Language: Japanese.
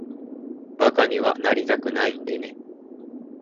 馬鹿にはなりたくないんでね。